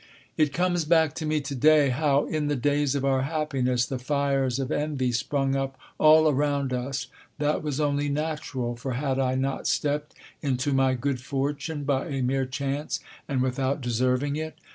It comes back to me today how, in the days of our happiness, the fires of envy sprung up all around us. That was only natural, for had I not stepped into my good fortune by a mere chance, and without deserving it?